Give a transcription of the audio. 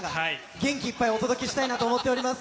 元気いっぱいお届けしたいと思います。